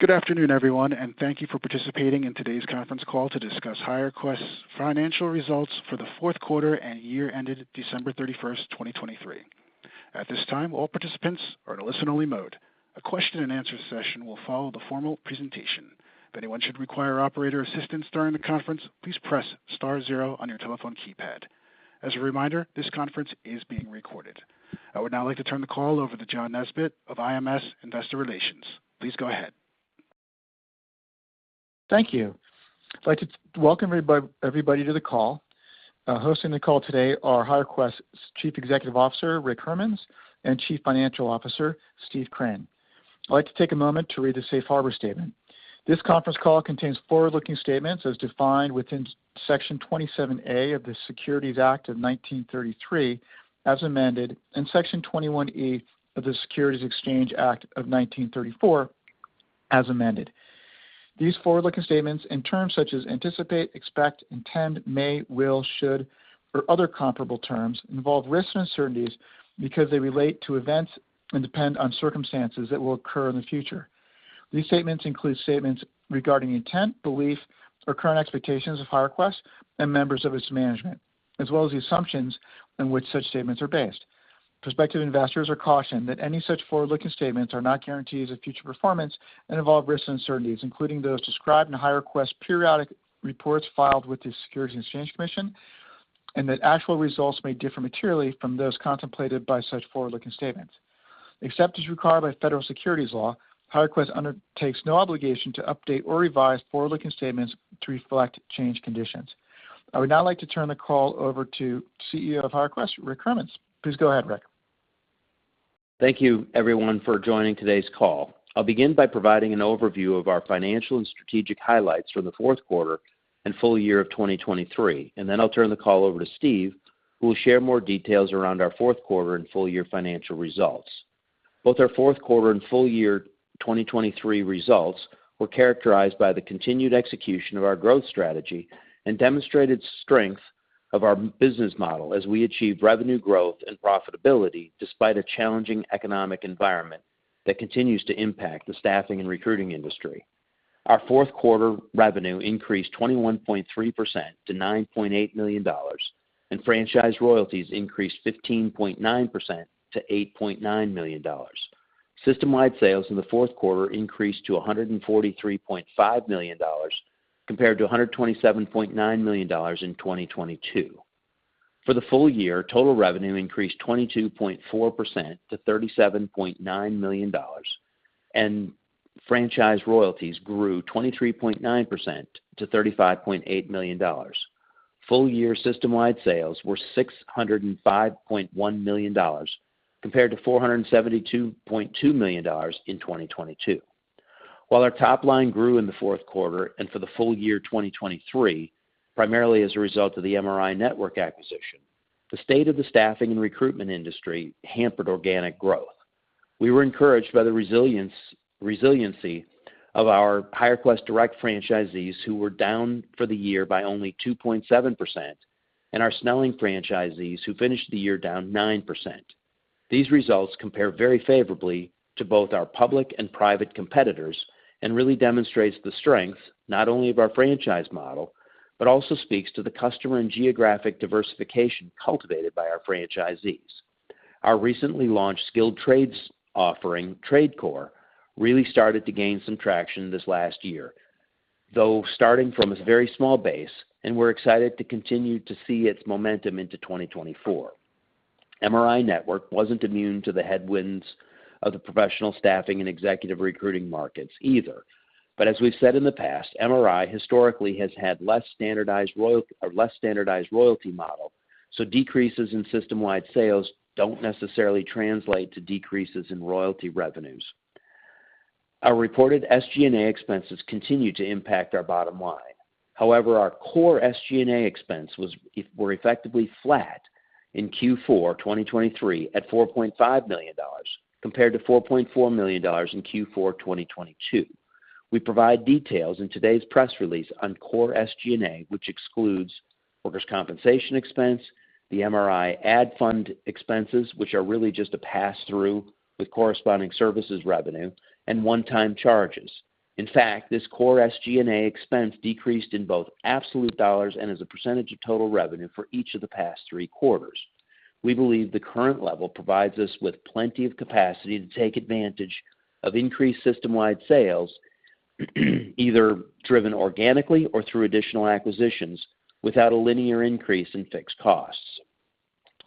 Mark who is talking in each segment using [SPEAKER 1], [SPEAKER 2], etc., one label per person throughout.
[SPEAKER 1] Good afternoon, everyone, and thank you for participating in today's conference call to discuss HireQuest's financial results for the fourth quarter and year ended December 31st, 2023. At this time, all participants are in a listen-only mode. A question-and-answer session will follow the formal presentation. If anyone should require operator assistance during the conference, please press star zero on your telephone keypad. As a reminder, this conference is being recorded. I would now like to turn the call over to John Nesbett of IMS Investor Relations. Please go ahead.
[SPEAKER 2] Thank you. I'd like to welcome everybody to the call. Hosting the call today are HireQuest's Chief Executive Officer Rick Hermanns and Chief Financial Officer Steve Crane. I'd like to take a moment to read the Safe Harbor Statement. This conference call contains forward-looking statements as defined within Section 27A of the Securities Act of 1933 as amended and Section 21E of the Securities Exchange Act of 1934 as amended. These forward-looking statements, in terms such as anticipate, expect, intend, may, will, should, or other comparable terms, involve risks and uncertainties because they relate to events and depend on circumstances that will occur in the future. These statements include statements regarding intent, belief, or current expectations of HireQuest and members of its management, as well as the assumptions on which such statements are based. Prospective investors are cautioned that any such forward-looking statements are not guarantees of future performance and involve risks and uncertainties, including those described in HireQuest's periodic reports filed with the Securities and Exchange Commission, and that actual results may differ materially from those contemplated by such forward-looking statements. Except as required by federal securities law, HireQuest undertakes no obligation to update or revise forward-looking statements to reflect changed conditions. I would now like to turn the call over to CEO of HireQuest, Rick Hermanns. Please go ahead, Rick.
[SPEAKER 3] Thank you, everyone, for joining today's call. I'll begin by providing an overview of our financial and strategic highlights from the fourth quarter and full year of 2023, and then I'll turn the call over to Steve, who will share more details around our fourth quarter and full year financial results. Both our fourth quarter and full year 2023 results were characterized by the continued execution of our growth strategy and demonstrated strength of our business model as we achieve revenue growth and profitability despite a challenging economic environment that continues to impact the staffing and recruiting industry. Our fourth quarter revenue increased 21.3% to $9.8 million, and franchise royalties increased 15.9% to $8.9 million. System-wide sales in the fourth quarter increased to $143.5 million compared to $127.9 million in 2022. For the full year, total revenue increased 22.4% to $37.9 million, and franchise royalties grew 23.9% to $35.8 million. Full year system-wide sales were $605.1 million compared to $472.2 million in 2022. While our top line grew in the fourth quarter and for the full year 2023, primarily as a result of the MRINetwork acquisition, the state of the staffing and recruitment industry hampered organic growth. We were encouraged by the resiliency of our HireQuest Direct franchisees who were down for the year by only 2.7% and our Snelling franchisees who finished the year down 9%. These results compare very favorably to both our public and private competitors and really demonstrate the strength not only of our franchise model but also speaks to the customer and geographic diversification cultivated by our franchisees. Our recently launched skilled trades offering, TradeCorp, really started to gain some traction this last year, though starting from a very small base, and we're excited to continue to see its momentum into 2024. MRINetwork wasn't immune to the headwinds of the professional staffing and executive recruiting markets either, but as we've said in the past, MRINetwork historically has had less standardized royalty model, so decreases in system-wide sales don't necessarily translate to decreases in royalty revenues. Our reported SG&A expenses continue to impact our bottom line. However, our core SG&A expense was effectively flat in Q4 2023 at $4.5 million compared to $4.4 million in Q4 2022. We provide details in today's press release on core SG&A, which excludes workers' compensation expense, the MRINetwork ad fund expenses, which are really just a pass-through with corresponding services revenue, and one-time charges. In fact, this core SG&A expense decreased in both absolute dollars and as a percentage of total revenue for each of the past three quarters. We believe the current level provides us with plenty of capacity to take advantage of increased system-wide sales, either driven organically or through additional acquisitions, without a linear increase in fixed costs.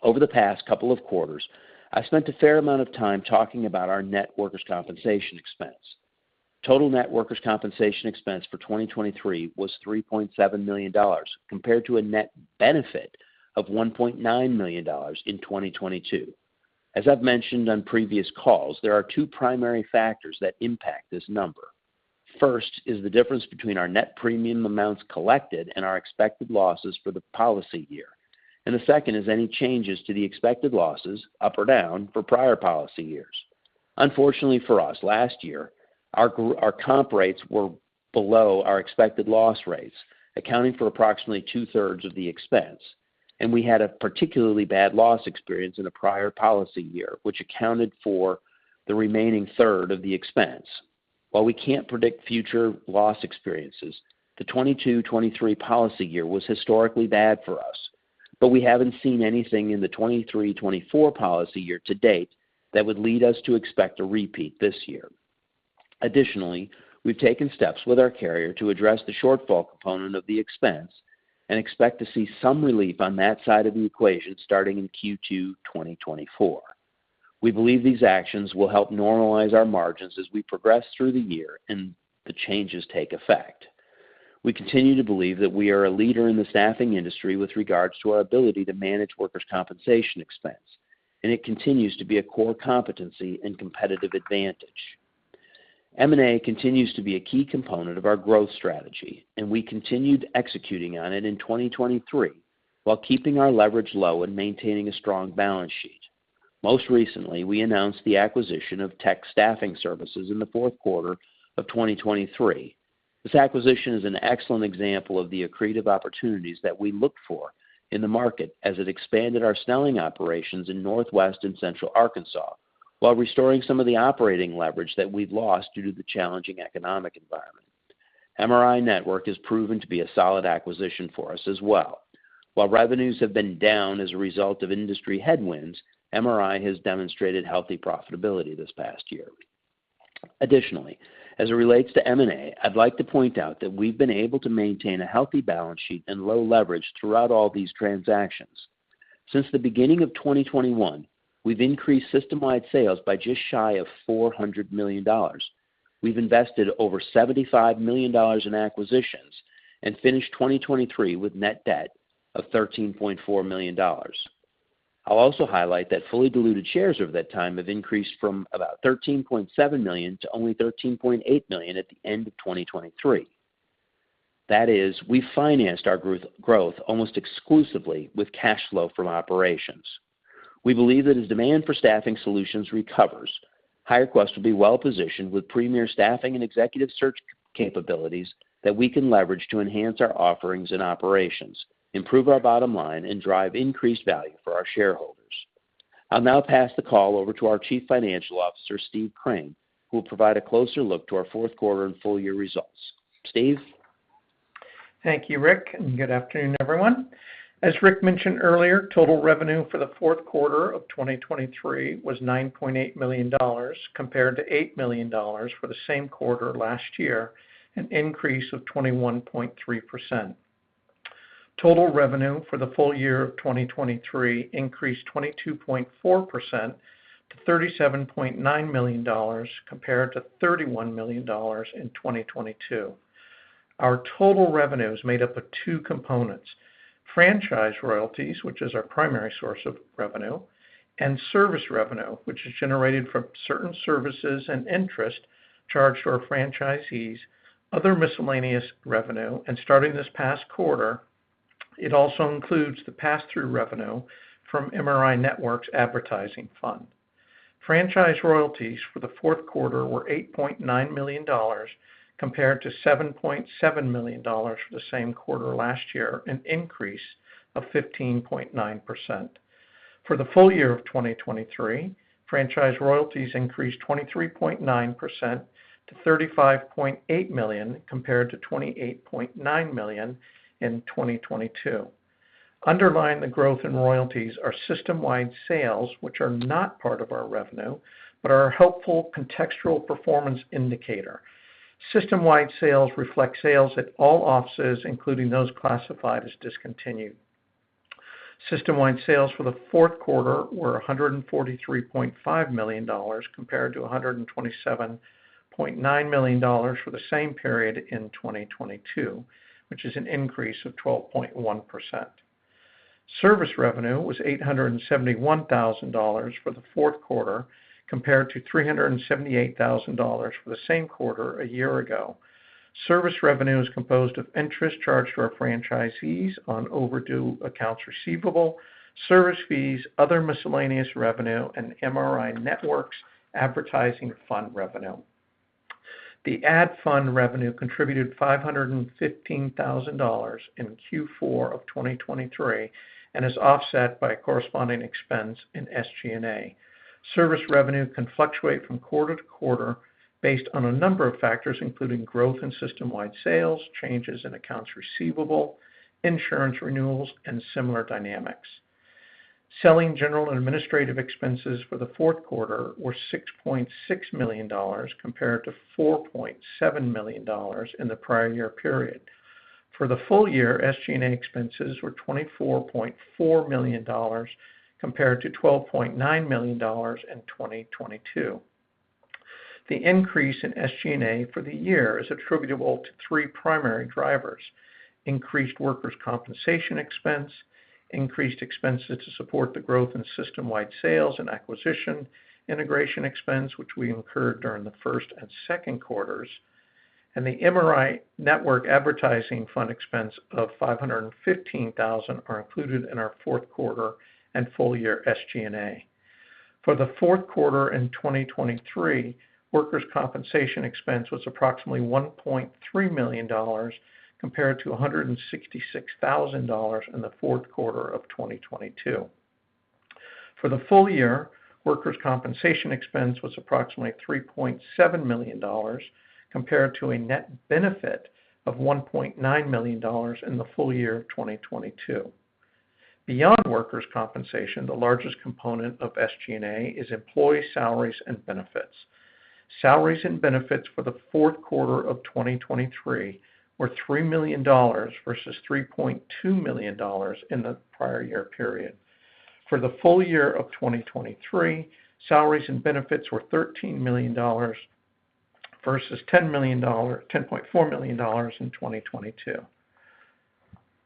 [SPEAKER 3] Over the past couple of quarters, I spent a fair amount of time talking about our net workers' compensation expense. Total net workers' compensation expense for 2023 was $3.7 million compared to a net benefit of $1.9 million in 2022. As I've mentioned on previous calls, there are two primary factors that impact this number. First is the difference between our net premium amounts collected and our expected losses for the policy year, and the second is any changes to the expected losses, up or down, for prior policy years. Unfortunately for us, last year, our comp rates were below our expected loss rates, accounting for approximately two-thirds of the expense, and we had a particularly bad loss experience in a prior policy year, which accounted for the remaining third of the expense. While we can't predict future loss experiences, the 2022-2023 policy year was historically bad for us, but we haven't seen anything in the 2023-2024 policy year to date that would lead us to expect a repeat this year. Additionally, we've taken steps with our carrier to address the shortfall component of the expense and expect to see some relief on that side of the equation starting in Q2 2024. We believe these actions will help normalize our margins as we progress through the year and the changes take effect. We continue to believe that we are a leader in the staffing industry with regards to our ability to manage workers' compensation expense, and it continues to be a core competency and competitive advantage. M&A continues to be a key component of our growth strategy, and we continued executing on it in 2023 while keeping our leverage low and maintaining a strong balance sheet. Most recently, we announced the acquisition of TEC Staffing Services in the fourth quarter of 2023. This acquisition is an excellent example of the accretive opportunities that we look for in the market as it expanded our Snelling operations in northwest and central Arkansas while restoring some of the operating leverage that we've lost due to the challenging economic environment. MRINetwork has proven to be a solid acquisition for us as well. While revenues have been down as a result of industry headwinds, MRI has demonstrated healthy profitability this past year. Additionally, as it relates to M&A, I'd like to point out that we've been able to maintain a healthy balance sheet and low leverage throughout all these transactions. Since the beginning of 2021, we've increased system-wide sales by just shy of $400 million. We've invested over $75 million in acquisitions and finished 2023 with net debt of $13.4 million. I'll also highlight that fully diluted shares over that time have increased from about 13.7 million to only 13.8 million at the end of 2023. That is, we've financed our growth almost exclusively with cash flow from operations. We believe that as demand for staffing solutions recovers, HireQuest will be well-positioned with premier staffing and executive search capabilities that we can leverage to enhance our offerings and operations, improve our bottom line, and drive increased value for our shareholders. I'll now pass the call over to our Chief Financial Officer, Steve Crane, who will provide a closer look to our fourth quarter and full year results. Steve?
[SPEAKER 4] Thank you, Rick, and good afternoon, everyone. As Rick mentioned earlier, total revenue for the fourth quarter of 2023 was $9.8 million compared to $8 million for the same quarter last year, an increase of 21.3%. Total revenue for the full year of 2023 increased 22.4% to $37.9 million compared to $31 million in 2022. Our total revenue is made up of two components: franchise royalties, which is our primary source of revenue, and service revenue, which is generated from certain services and interest charged to our franchisees, other miscellaneous revenue, and starting this past quarter, it also includes the pass-through revenue from MRINetwork's advertising fund. Franchise royalties for the fourth quarter were $8.9 million compared to $7.7 million for the same quarter last year, an increase of 15.9%. For the full year of 2023, franchise royalties increased 23.9% to $35.8 million compared to $28.9 million in 2022. Underlying the growth in royalties are system-wide sales, which are not part of our revenue but are a helpful contextual performance indicator. System-wide sales reflect sales at all offices, including those classified as discontinued. System-wide sales for the fourth quarter were $143.5 million compared to $127.9 million for the same period in 2022, which is an increase of 12.1%. Service revenue was $871,000 for the fourth quarter compared to $378,000 for the same quarter a year ago. Service revenue is composed of interest charged to our franchisees on overdue accounts receivable, service fees, other miscellaneous revenue, and MRINetwork's advertising fund revenue. The ad fund revenue contributed $515,000 in Q4 of 2023 and is offset by corresponding expense in SG&A. Service revenue can fluctuate from quarter to quarter based on a number of factors, including growth in system-wide sales, changes in accounts receivable, insurance renewals, and similar dynamics. Selling general and administrative expenses for the fourth quarter were $6.6 million compared to $4.7 million in the prior year period. For the full year, SG&A expenses were $24.4 million compared to $12.9 million in 2022. The increase in SG&A for the year is attributable to three primary drivers: increased workers' compensation expense, increased expenses to support the growth in system-wide sales and acquisition integration expense, which we incurred during the first and second quarters, and the MRI Network advertising fund expense of $515,000 are included in our fourth quarter and full year SG&A. For the fourth quarter in 2023, workers' compensation expense was approximately $1.3 million compared to $166,000 in the fourth quarter of 2022. For the full year, workers' compensation expense was approximately $3.7 million compared to a net benefit of $1.9 million in the full year of 2022. Beyond workers' compensation, the largest component of SG&A is employee salaries and benefits. Salaries and benefits for the fourth quarter of 2023 were $3 million versus $3.2 million in the prior year period. For the full year of 2023, salaries and benefits were $13 million versus $10.4 million in 2022.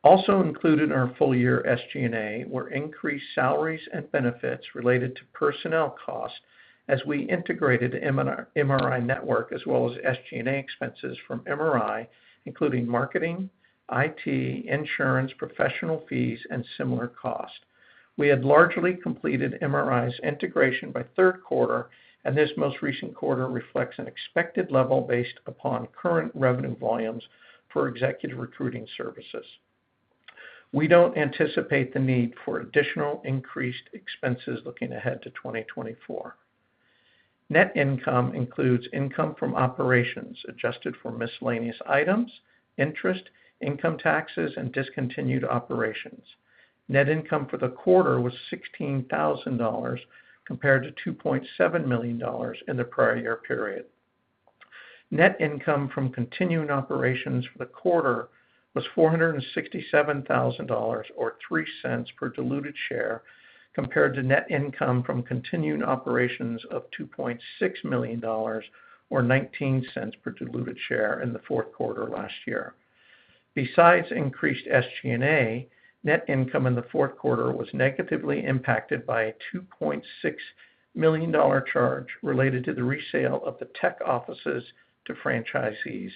[SPEAKER 4] Also included in our full year SG&A were increased salaries and benefits related to personnel costs as we integrated MRINetwork as well as SG&A expenses from MRINetwork, including marketing, IT, insurance, professional fees, and similar costs. We had largely completed MRINetwork's integration by third quarter, and this most recent quarter reflects an expected level based upon current revenue volumes for executive recruiting services. We don't anticipate the need for additional increased expenses looking ahead to 2024. Net income includes income from operations adjusted for miscellaneous items, interest, income taxes, and discontinued operations. Net income for the quarter was $16,000 compared to $2.7 million in the prior year period. Net income from continuing operations for the quarter was $467,000 or $0.03 per diluted share compared to net income from continuing operations of $2.6 million or $0.19 per diluted share in the fourth quarter last year. Besides increased SG&A, net income in the fourth quarter was negatively impacted by a $2.6 million charge related to the resale of the TEC offices to franchisees.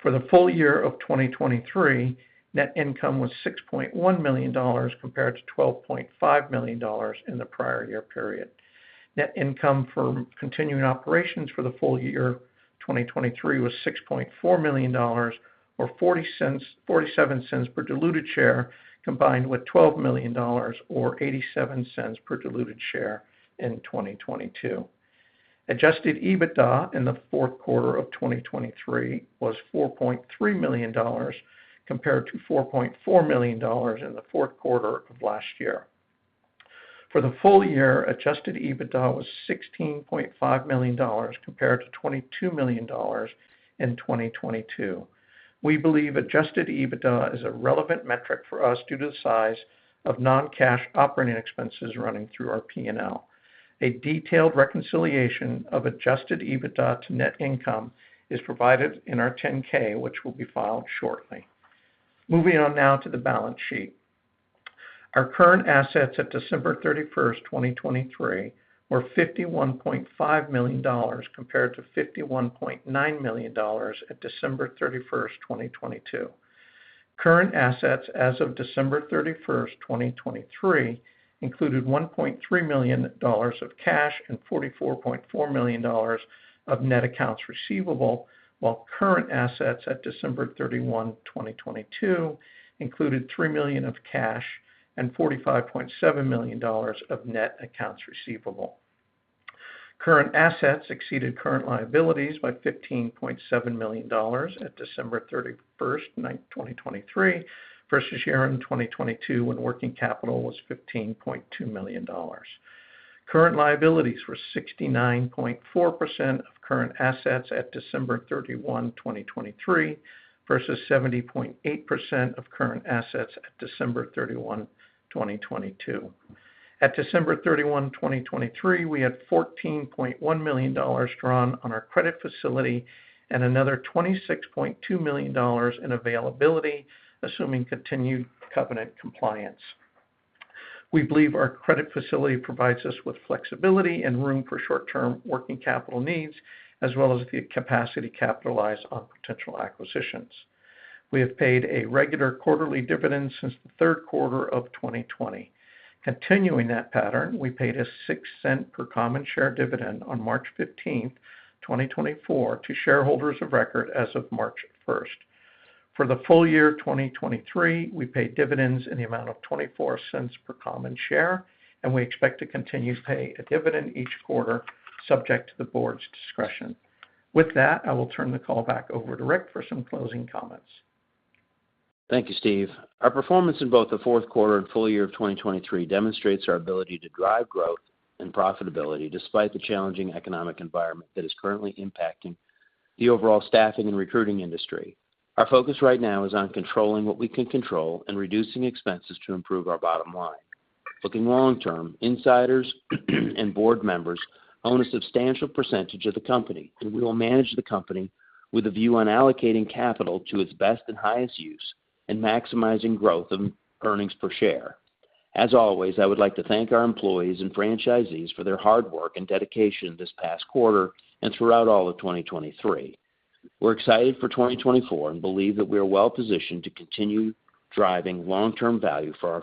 [SPEAKER 4] For the full year of 2023, net income was $6.1 million compared to $12.5 million in the prior year period. Net income from continuing operations for the full year 2023 was $6.4 million or $0.47 per diluted share combined with $12 million or $0.87 per diluted share in 2022. Adjusted EBITDA in the fourth quarter of 2023 was $4.3 million compared to $4.4 million in the fourth quarter of last year. For the full year, adjusted EBITDA was $16.5 million compared to $22 million in 2022. We believe adjusted EBITDA is a relevant metric for us due to the size of non-cash operating expenses running through our P&L. A detailed reconciliation of adjusted EBITDA to net income is provided in our 10-K, which will be filed shortly. Moving on now to the balance sheet. Our current assets at December 31, 2023, were $51.5 million compared to $51.9 million at December 31, 2022. Current assets as of December 31, 2023, included $1.3 million of cash and $44.4 million of net accounts receivable, while current assets at December 31, 2022, included $3 million of cash and $45.7 million of net accounts receivable. Current assets exceeded current liabilities by $15.7 million at December 31, 2023, versus year-end 2022 when working capital was $15.2 million. Current liabilities were 69.4% of current assets at December 31, 2023, versus 70.8% of current assets at December 31, 2022. At December 31, 2023, we had $14.1 million drawn on our credit facility and another $26.2 million in availability, assuming continued covenant compliance. We believe our credit facility provides us with flexibility and room for short-term working capital needs as well as the capacity capitalized on potential acquisitions. We have paid a regular quarterly dividend since the third quarter of 2020. Continuing that pattern, we paid a $0.06 per common share dividend on March 15, 2024, to shareholders of record as of March 1. For the full year 2023, we paid dividends in the amount of $0.24 per common share, and we expect to continue to pay a dividend each quarter, subject to the board's discretion. With that, I will turn the call back over to Rick for some closing comments.
[SPEAKER 3] Thank you, Steve. Our performance in both the fourth quarter and full year of 2023 demonstrates our ability to drive growth and profitability despite the challenging economic environment that is currently impacting the overall staffing and recruiting industry. Our focus right now is on controlling what we can control and reducing expenses to improve our bottom line. Looking long term, insiders and board members own a substantial percentage of the company, and we will manage the company with a view on allocating capital to its best and highest use and maximizing growth of earnings per share. As always, I would like to thank our employees and franchisees for their hard work and dedication this past quarter and throughout all of 2023. We're excited for 2024 and believe that we are well-positioned to continue driving long-term value for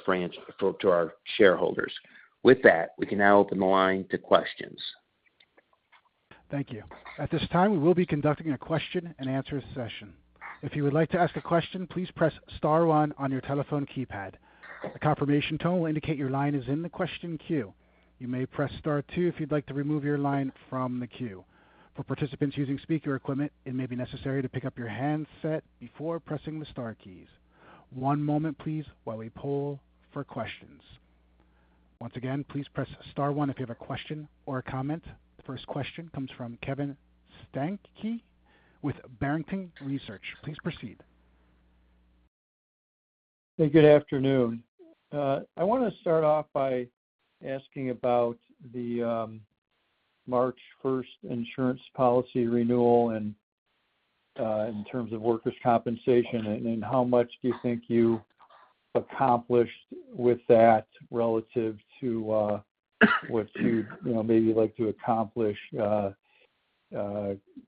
[SPEAKER 3] our shareholders. With that, we can now open the line to questions.
[SPEAKER 1] Thank you. At this time, we will be conducting a question-and-answer session. If you would like to ask a question, please press star one on your telephone keypad. The confirmation tone will indicate your line is in the question queue. You may press star two if you'd like to remove your line from the queue. For participants using speaker equipment, it may be necessary to pick up your handset before pressing the star keys. One moment, please, while we pull for questions. Once again, please press star one if you have a question or a comment. The first question comes from Kevin Steinke with Barrington Research. Please proceed.
[SPEAKER 5] Hey, good afternoon. I want to start off by asking about the March 1 insurance policy renewal in terms of workers' compensation, and how much do you think you accomplished with that relative to what you maybe like to accomplish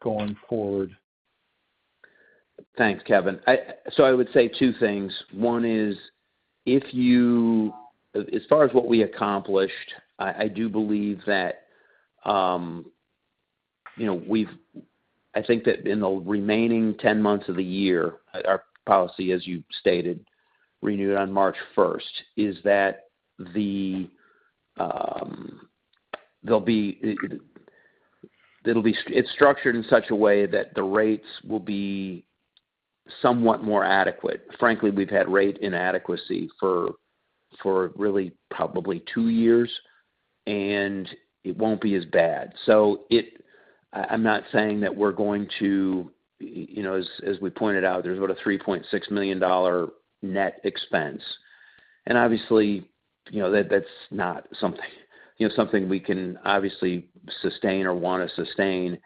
[SPEAKER 5] going forward?
[SPEAKER 3] Thanks, Kevin. So I would say two things. One is, as far as what we accomplished, I do believe that we've I think that in the remaining 10 months of the year, our policy, as you stated, renewed on March 1, is that it'll be structured in such a way that the rates will be somewhat more adequate. Frankly, we've had rate inadequacy for really probably two years, and it won't be as bad. So I'm not saying that we're going to as we pointed out, there's about a $3.6 million net expense. And obviously, that's not something we can obviously sustain or want to sustain.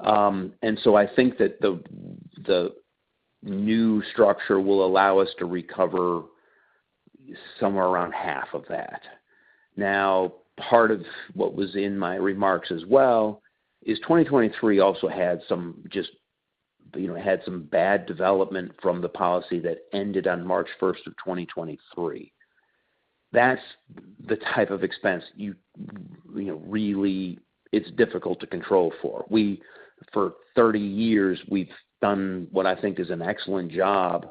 [SPEAKER 3] And so I think that the new structure will allow us to recover somewhere around half of that. Now, part of what was in my remarks as well is 2023 also had some bad development from the policy that ended on March 1, 2023. That's the type of expense you really, it's difficult to control for. For 30 years, we've done what I think is an excellent job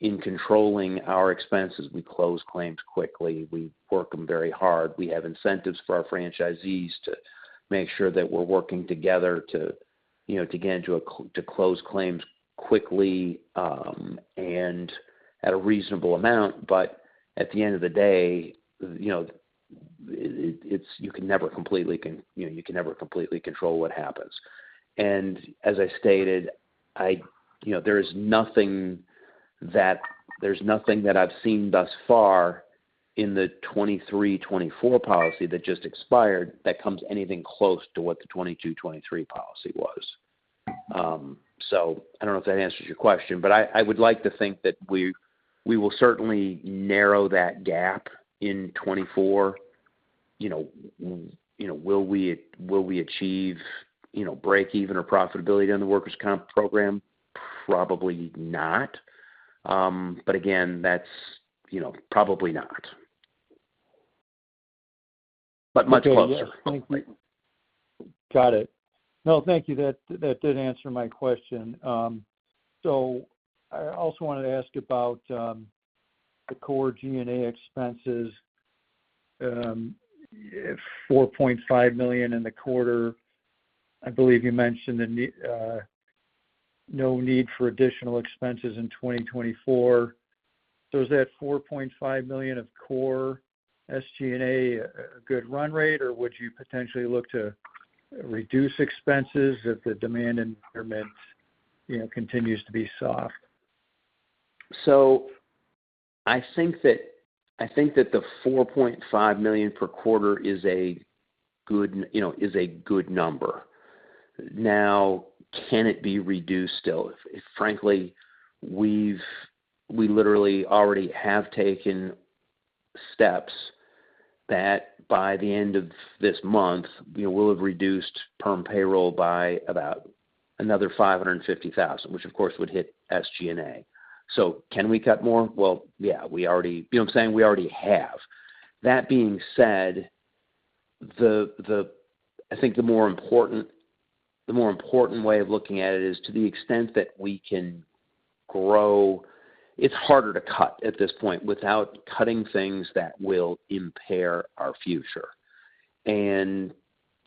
[SPEAKER 3] in controlling our expenses. We close claims quickly. We work them very hard. We have incentives for our franchisees to make sure that we're working together to close claims quickly and at a reasonable amount. But at the end of the day, you can never completely control what happens. And as I stated, there is nothing that I've seen thus far in the 2023-2024 policy that just expired that comes anything close to what the 2022-2023 policy was. So I don't know if that answers your question, but I would like to think that we will certainly narrow that gap in 2024. Will we achieve break-even or profitability on the workers' comp program? Probably not. But again, that's probably not. But much closer.
[SPEAKER 5] Thank you. Got it. No, thank you. That did answer my question. So I also wanted to ask about the core SG&A expenses, $4.5 million in the quarter. I believe you mentioned no need for additional expenses in 2024. So is that $4.5 million of core SG&A a good run rate, or would you potentially look to reduce expenses if the demand environment continues to be soft?
[SPEAKER 3] So I think that the $4.5 million per quarter is a good number. Now, can it be reduced still? Frankly, we literally already have taken steps that by the end of this month, we'll have reduced per-month payroll by about another $550,000, which, of course, would hit SG&A. So can we cut more? Well, yeah, we already you know what I'm saying? We already have. That being said, I think the more important way of looking at it is to the extent that we can grow it's harder to cut at this point without cutting things that will impair our future. And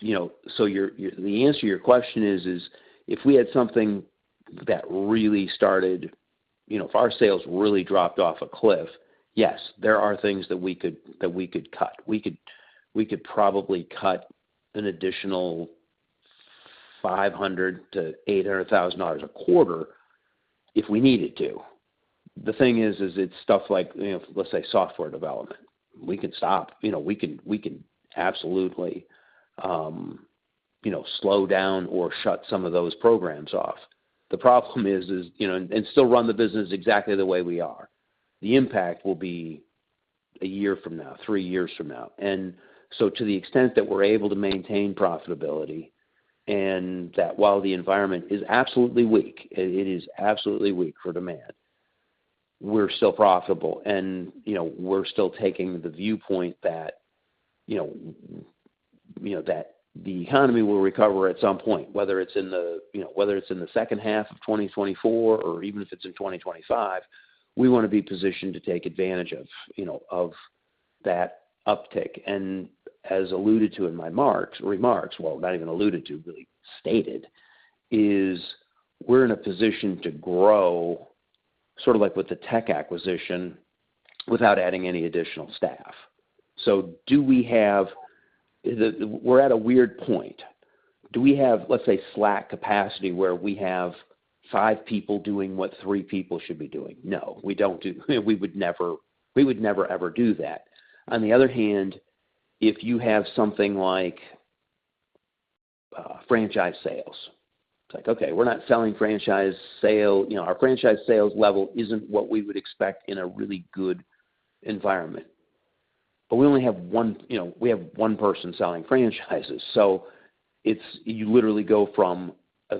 [SPEAKER 3] so the answer to your question is, if we had something that really started if our sales really dropped off a cliff, yes, there are things that we could cut. We could probably cut an additional $500,000-$800,000 a quarter if we needed to. The thing is, it's stuff like, let's say, software development. We can stop. We can absolutely slow down or shut some of those programs off. The problem is, and still run the business exactly the way we are. The impact will be one year from now, three years from now. And so to the extent that we're able to maintain profitability and that while the environment is absolutely weak, it is absolutely weak for demand, we're still profitable. And we're still taking the viewpoint that the economy will recover at some point, whether it's in the second half of 2024 or even if it's in 2025, we want to be positioned to take advantage of that uptick. As alluded to in my remarks—well, not even alluded to, really stated—is we're in a position to grow sort of like with the Tec acquisition without adding any additional staff. So do we have? We're at a weird point. Do we have, let's say, slack capacity where we have five people doing what three people should be doing? No, we don't do. We would never ever do that. On the other hand, if you have something like franchise sales, it's like, "Okay, we're not selling franchise sale. Our franchise sales level isn't what we would expect in a really good environment." But we only have one we have one person selling franchises. So you literally go from a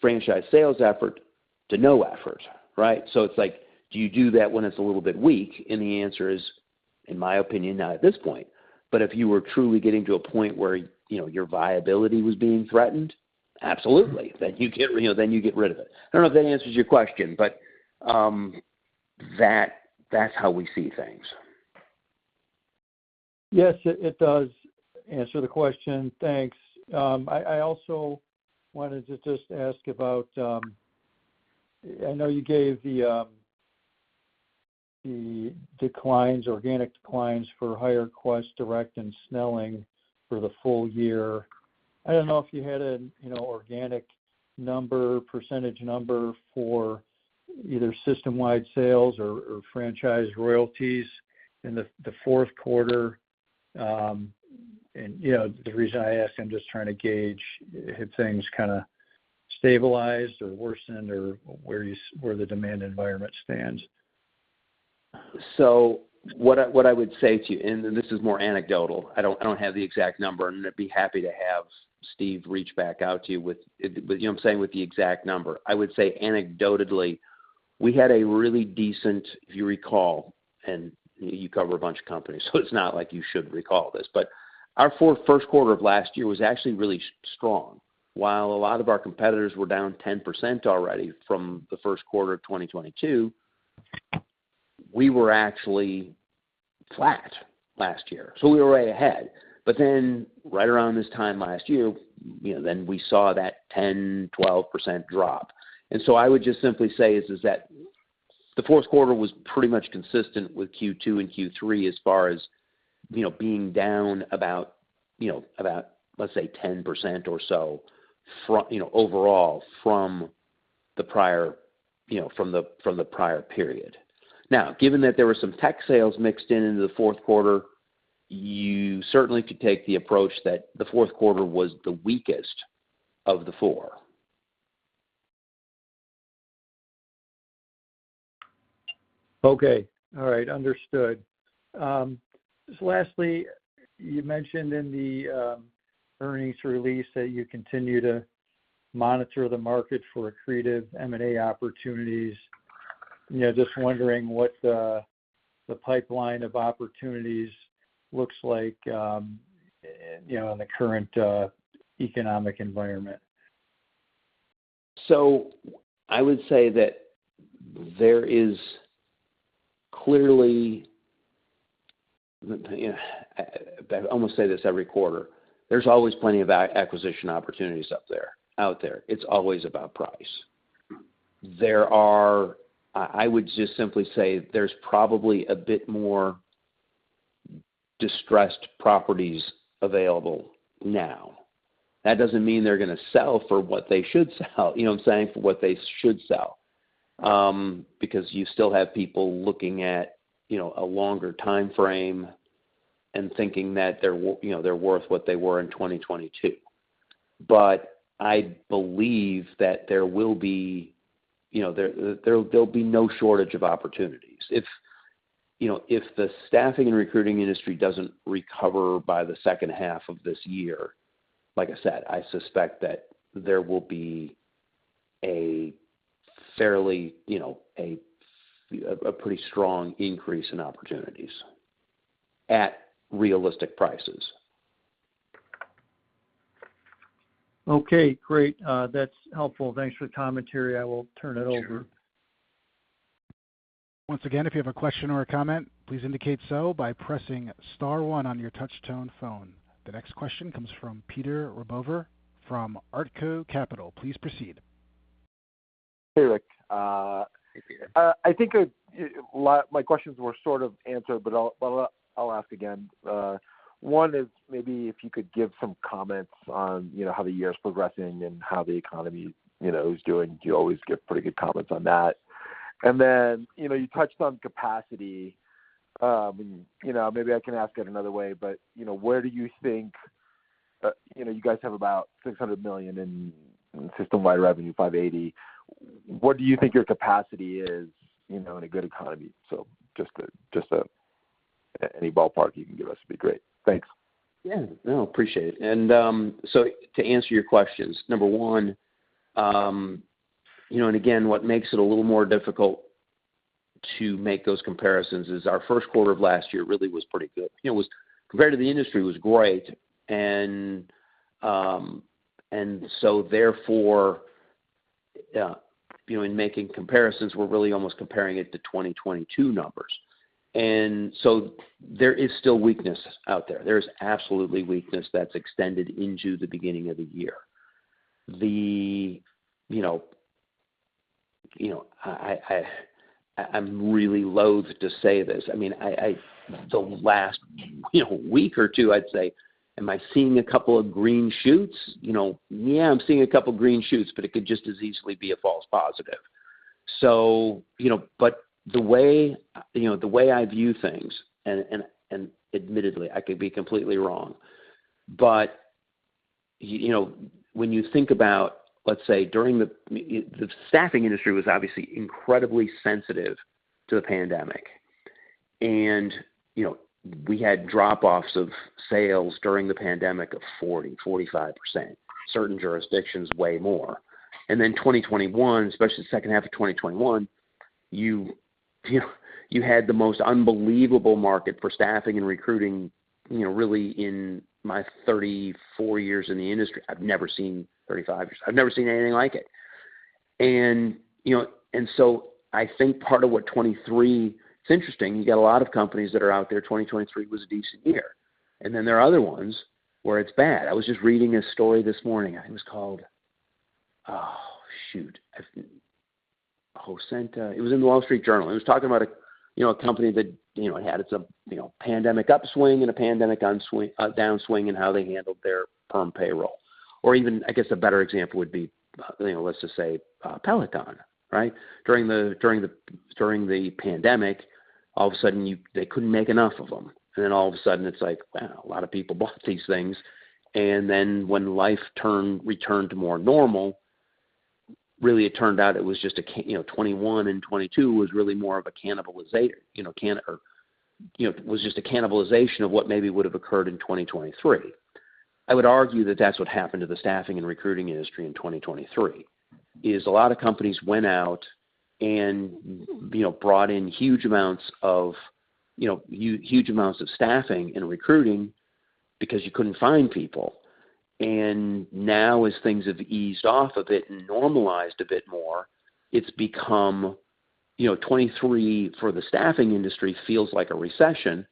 [SPEAKER 3] franchise sales effort to no effort, right? So it's like, "Do you do that when it's a little bit weak?" And the answer is, in my opinion, not at this point. But if you were truly getting to a point where your viability was being threatened, absolutely, then you get rid of it. I don't know if that answers your question, but that's how we see things.
[SPEAKER 5] Yes, it does answer the question. Thanks. I also wanted to just ask about. I know you gave the declines, organic declines for HireQuest Direct and Snelling for the full year. I don't know if you had an organic number, percentage number for either system-wide sales or franchise royalties in the fourth quarter. The reason I asked, I'm just trying to gauge, have things kind of stabilized or worsened or where the demand environment stands.
[SPEAKER 3] So what I would say to you and this is more anecdotal. I don't have the exact number, and I'd be happy to have Steve reach back out to you with you know what I'm saying with the exact number. I would say anecdotally, we had a really decent if you recall, and you cover a bunch of companies, so it's not like you should recall this, but our first quarter of last year was actually really strong. While a lot of our competitors were down 10% already from the first quarter of 2022, we were actually flat last year. So we were way ahead. But then right around this time last year, then we saw that 10%-12% drop. So I would just simply say is that the fourth quarter was pretty much consistent with Q2 and Q3 as far as being down about, let's say, 10% or so overall from the prior period. Now, given that there were some Tec sales mixed in into the fourth quarter, you certainly could take the approach that the fourth quarter was the weakest of the four.
[SPEAKER 5] Okay. All right. Understood. Just lastly, you mentioned in the earnings release that you continue to monitor the market for accretive M&A opportunities. Just wondering what the pipeline of opportunities looks like in the current economic environment?
[SPEAKER 3] So I would say that there is clearly—I almost say this every quarter. There's always plenty of acquisition opportunities out there. It's always about price. I would just simply say there's probably a bit more distressed properties available now. That doesn't mean they're going to sell for what they should sell. You know what I'm saying? For what they should sell because you still have people looking at a longer time frame and thinking that they're worth what they were in 2022. But I believe that there will be there'll be no shortage of opportunities. If the staffing and recruiting industry doesn't recover by the second half of this year, like I said, I suspect that there will be a fairly pretty strong increase in opportunities at realistic prices.
[SPEAKER 5] Okay. Great. That's helpful. Thanks for the commentary. I will turn it over.
[SPEAKER 1] Sure. Once again, if you have a question or a comment, please indicate so by pressing star one on your touchstone phone. The next question comes from Peter Rabover from Artko Capital. Please proceed.
[SPEAKER 6] Hey, Rick. I think my questions were sort of answered, but I'll ask again. One is maybe if you could give some comments on how the year's progressing and how the economy is doing. You always give pretty good comments on that. And then you touched on capacity. Maybe I can ask it another way, but where do you think you guys have about $600 million in system-wide revenue, $580? What do you think your capacity is in a good economy? So just any ballpark you can give us would be great. Thanks.
[SPEAKER 3] Yeah. No, appreciate it. And so to answer your questions, number one, and again, what makes it a little more difficult to make those comparisons is our first quarter of last year really was pretty good. Compared to the industry, it was great. And so therefore, in making comparisons, we're really almost comparing it to 2022 numbers. And so there is still weakness out there. There is absolutely weakness that's extended into the beginning of the year. I'm really loath to say this. I mean, the last week or two, I'd say, am I seeing a couple of green shoots? Yeah, I'm seeing a couple of green shoots, but it could just as easily be a false positive. But the way I view things and admittedly, I could be completely wrong. But when you think about, let's say, during the staffing industry was obviously incredibly sensitive to the pandemic. And we had drop-offs of sales during the pandemic of 40%-45%, certain jurisdictions way more. And then 2021, especially the second half of 2021, you had the most unbelievable market for staffing and recruiting really in my 34 years in the industry. I've never seen 35 years. I've never seen anything like it. And so I think part of what 2023 it's interesting. You got a lot of companies that are out there. 2023 was a decent year. And then there are other ones where it's bad. I was just reading a story this morning. It was called oh, shoot. It was in The Wall Street Journal. It was talking about a company that had its pandemic upswing and a pandemic downswing and how they handled their per-month payroll. Or even, I guess, a better example would be, let's just say, Peloton, right? During the pandemic, all of a sudden, they couldn't make enough of them. And then all of a sudden, it's like, "Wow, a lot of people bought these things." And then when life returned to more normal, really, it turned out it was just a 2021 and 2022 was really more of a cannibalization or was just a cannibalization of what maybe would have occurred in 2023. I would argue that that's what happened to the staffing and recruiting industry in 2023 is a lot of companies went out and brought in huge amounts of huge amounts of staffing and recruiting because you couldn't find people. And now, as things have eased off a bit and normalized a bit more, it's become 2023 for the staffing industry feels like a recession,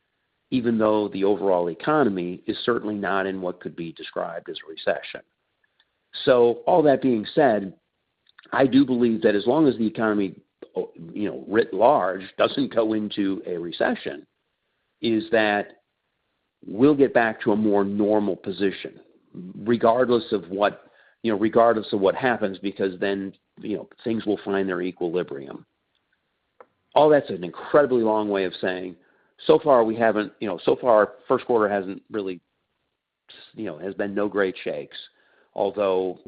[SPEAKER 3] even though the overall economy is certainly not in what could be described as a recession. So all that being said, I do believe that as long as the economy writ large doesn't go into a recession, is that we'll get back to a more normal position regardless of what regardless of what happens because then things will find their equilibrium. All that's an incredibly long way of saying, "So far, we haven't so far, first quarter hasn't really has been no great shakes, although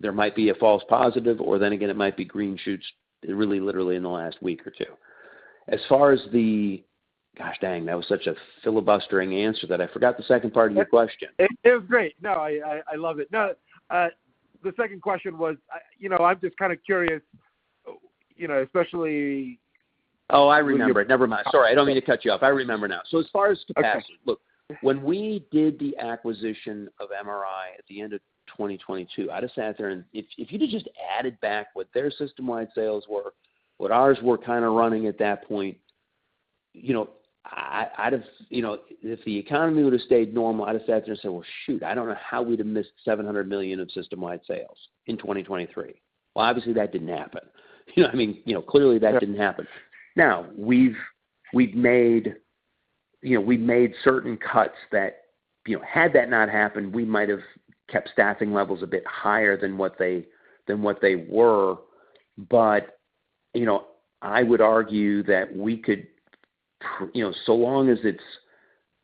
[SPEAKER 3] there might be a false positive, or then again, it might be green shoots, really literally in the last week or two." As far as the gosh dang, that was such a filibustering answer that I forgot the second part of your question.
[SPEAKER 6] It was great. No, I love it. No, the second question was, I'm just kind of curious, especially.
[SPEAKER 3] Oh, I remember it. Sorry. I don't mean to cut you off. I remember now. So as far as capacity, look, when we did the acquisition of MRI at the end of 2022, I'd have sat there and if you could just added back what their system-wide sales were, what ours were kind of running at that point, I'd have if the economy would have stayed normal, I'd have sat there and said, "Well, shoot, I don't know how we'd have missed $700 million of system-wide sales in 2023." Well, obviously, that didn't happen. I mean, clearly, that didn't happen. Now, we've made certain cuts that had that not happened, we might have kept staffing levels a bit higher than what they were. But I would argue that we could so long as it's,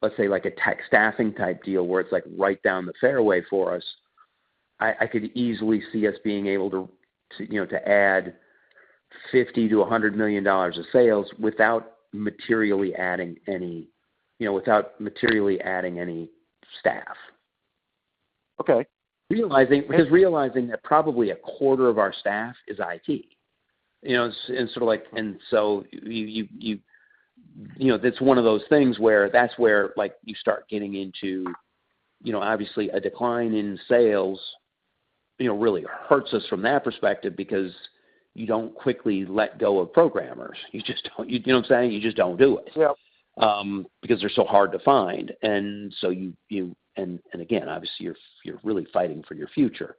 [SPEAKER 3] let's say, a TEC staffing-type deal where it's right down the fairway for us. I could easily see us being able to add $50 million-$100 million of sales without materially adding any staff because, realizing that probably a quarter of our staff is IT. And sort of like, and so, you, that's one of those things where that's where you start getting into, obviously, a decline in sales really hurts us from that perspective because you don't quickly let go of programmers. You just don't, you know what I'm saying? You just don't do it because they're so hard to find. And so you, and again, obviously, you're really fighting for your future.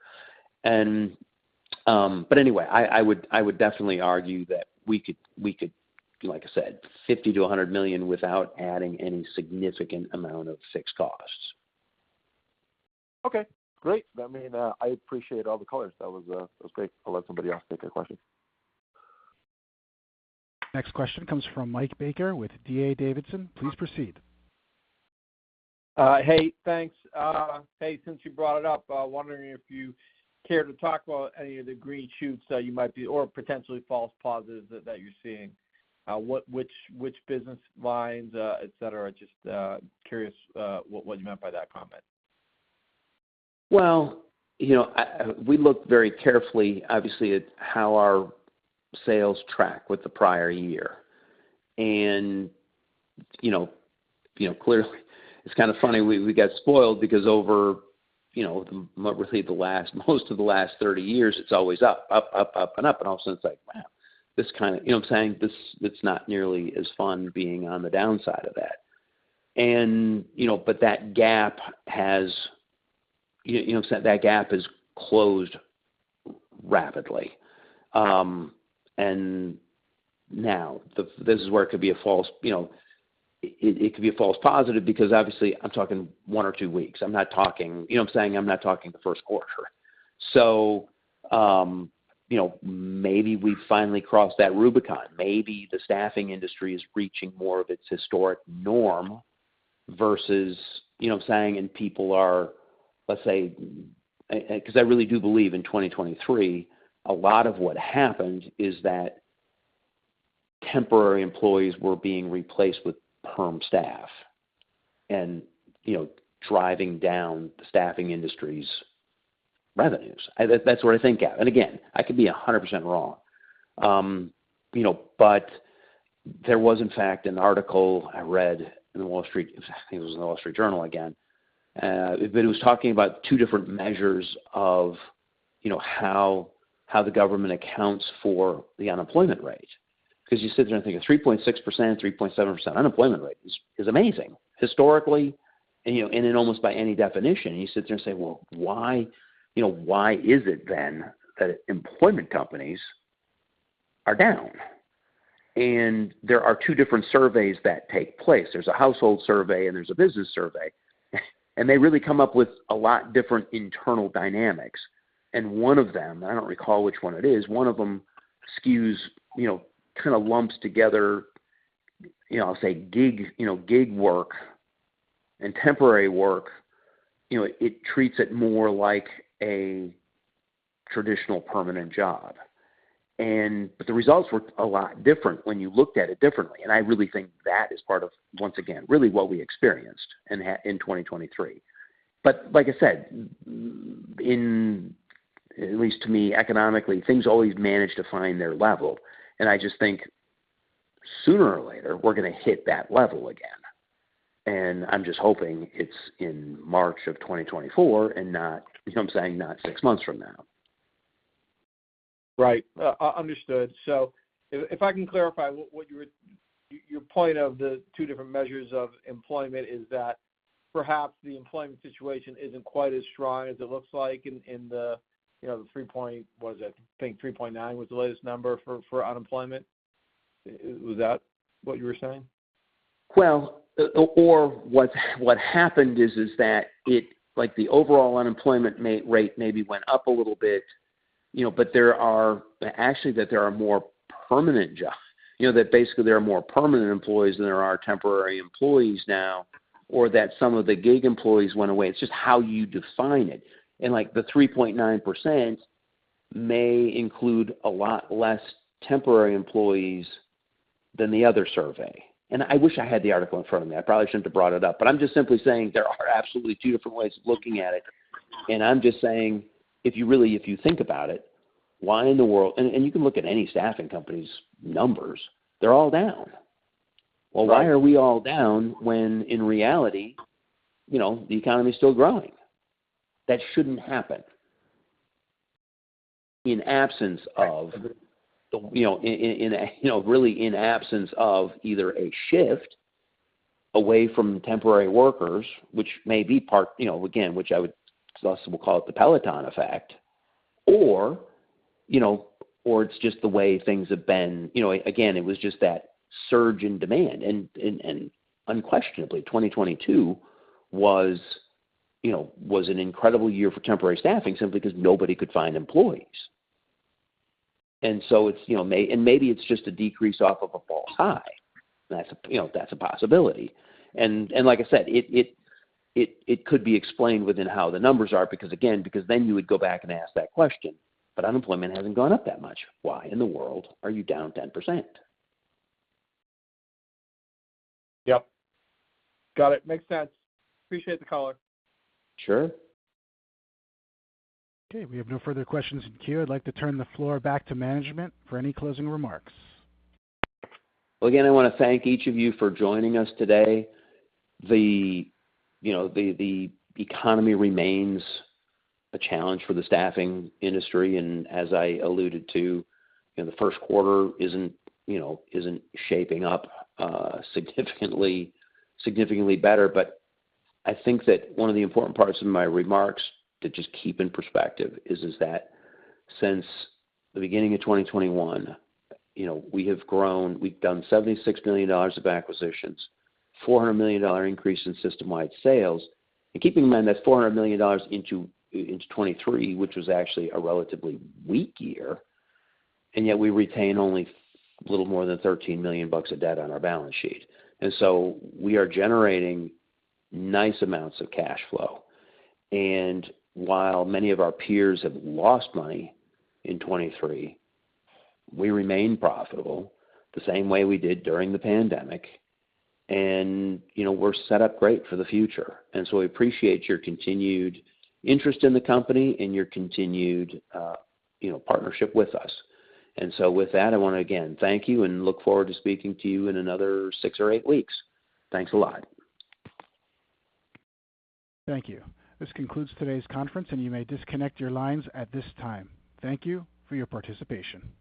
[SPEAKER 3] Anyway, I would definitely argue that we could, like I said, $50 million-$100 million without adding any significant amount of fixed costs.
[SPEAKER 6] Okay. Great. I mean, I appreciate all the colors. That was great. I'll let somebody else take a question.
[SPEAKER 1] Next question comes from Mike Baker with D.A. Davidson. Please proceed.
[SPEAKER 7] Hey, thanks. Hey, since you brought it up, wondering if you care to talk about any of the green shoots you might be or potentially false positives that you're seeing. Which business lines, etc.? Just curious what you meant by that comment.
[SPEAKER 3] Well, we looked very carefully, obviously, at how our sales track with the prior year. Clearly, it's kind of funny. We got spoiled because over, let's see, most of the last 30 years, it's always up, up, up, up, and up. All of a sudden, it's like, "Wow, this kind of" you know what I'm saying? It's not nearly as fun being on the downside of that. But that gap has, you know what I'm saying? That gap has closed rapidly. And now, this is where it could be a false it could be a false positive because obviously, I'm talking one or two weeks. I'm not talking, you know what I'm saying? I'm not talking the first quarter. So maybe we've finally crossed that Rubicon. Maybe the staffing industry is reaching more of its historic norm versus you know what I'm saying? People are, let's say, because I really do believe in 2023, a lot of what happened is that temporary employees were being replaced with perm staff and driving down the staffing industry's revenues. That's what I think of. Again, I could be 100% wrong. But there was, in fact, an article I read in The Wall Street Journal, I think it was in The Wall Street Journal again. But it was talking about two different measures of how the government accounts for the unemployment rate because you sit there and think a 3.6%-3.7% unemployment rate is amazing historically and in almost by any definition. And you sit there and say, "Well, why is it then that employment companies are down?" And there are two different surveys that take place. There's a household survey, and there's a business survey. They really come up with a lot different internal dynamics. One of them and I don't recall which one it is. One of them skews kind of lumps together, I'll say, gig work and temporary work. It treats it more like a traditional permanent job. But the results were a lot different when you looked at it differently. And I really think that is part of, once again, really what we experienced in 2023. But like I said, at least to me, economically, things always manage to find their level. And I just think sooner or later, we're going to hit that level again. And I'm just hoping it's in March of 2024 and not, you know, what I'm saying? Not six months from now.
[SPEAKER 7] Right. Understood. So if I can clarify what your point of the two different measures of employment is that perhaps the employment situation isn't quite as strong as it looks like in the three. what is it? I think 3.9% was the latest number for unemployment. Was that what you were saying?
[SPEAKER 3] Well, or what happened is that the overall unemployment rate maybe went up a little bit. But actually, that there are more permanent, that basically, there are more permanent employees than there are temporary employees now or that some of the gig employees went away. It's just how you define it. And the 3.9% may include a lot less temporary employees than the other survey. And I wish I had the article in front of me. I probably shouldn't have brought it up. But I'm just simply saying there are absolutely two different ways of looking at it. And I'm just saying, if you think about it, why in the world, and you can look at any staffing company's numbers. They're all down. Well, why are we all down when, in reality, the economy's still growing? That shouldn't happen in absence of either a shift away from temporary workers, which may be part again, which I would also call it the Peloton effect, or it's just the way things have been again; it was just that surge in demand. And unquestionably, 2022 was an incredible year for temporary staffing simply because nobody could find employees. And so maybe it's just a decrease off of a false high. That's a possibility. And like I said, it could be explained within how the numbers are again, because then you would go back and ask that question. But unemployment hasn't gone up that much. Why in the world are you down 10%?
[SPEAKER 7] Yep. Got it. Makes sense. Appreciate the caller.
[SPEAKER 3] Sure.
[SPEAKER 1] Okay. We have no further questions in queue. I'd like to turn the floor back to management for any closing remarks.
[SPEAKER 3] Well, again, I want to thank each of you for joining us today. The economy remains a challenge for the staffing industry. And as I alluded to, the first quarter isn't shaping up significantly better. But I think that one of the important parts of my remarks to just keep in perspective is that since the beginning of 2021, we have grown. We've done $76 million of acquisitions, $400 million increase in system-wide sales. And keeping in mind that $400 million into 2023, which was actually a relatively weak year, and yet we retain only a little more than $13 million of debt on our balance sheet. And so we are generating nice amounts of cash flow. And while many of our peers have lost money in 2023, we remain profitable the same way we did during the pandemic. And we're set up great for the future. We appreciate your continued interest in the company and your continued partnership with us. With that, I want to, again, thank you and look forward to speaking to you in another six or eight weeks. Thanks a lot.
[SPEAKER 1] Thank you. This concludes today's conference, and you may disconnect your lines at this time. Thank you for your participation.